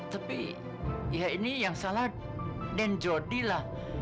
tapi ya ini yang salah dan jody lah